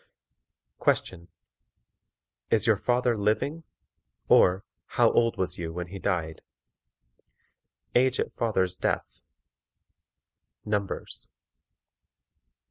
Question. IS YOUR FATHER LIVING, OR HOW OLD WAS YOU WHEN HE DIED? Age at fathers' death. Numbers.